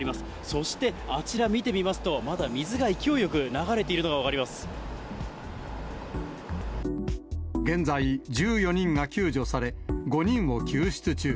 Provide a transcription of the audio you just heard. そして、あちら見てみますと、まだ水が勢いよく流れているのが現在、１４人が救助され、５人を救出中。